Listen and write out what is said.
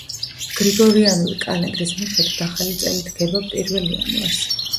გრიგორიანული კალენდრის მიხედვით, ახალი წელი დგება პირველ იანვარს.